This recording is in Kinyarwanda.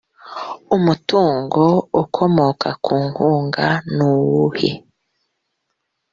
umutungo ukomoka ku nkunga nuwuhe